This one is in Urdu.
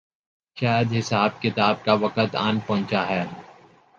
شاید حساب کتاب کا وقت آن پہنچا ہے۔